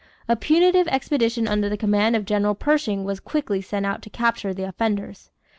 A punitive expedition under the command of General Pershing was quickly sent out to capture the offenders.